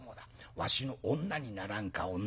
わしの女にならんか女に。